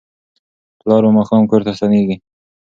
پلار به ماښام کور ته ستنیږي.